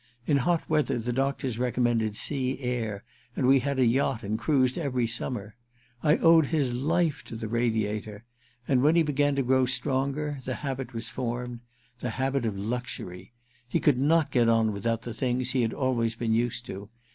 In hot weather the doctors recommended sea air, and we had a yacht and cruised every summer. I owed his life to the Radiator. And when he began to grow stronger the habit was formed — the habit of luxury. He could not get on without the things he had always been used to.